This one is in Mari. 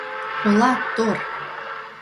Ола — тор!